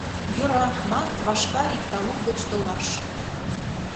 Йӧра, март вашка ик талук гыч толаш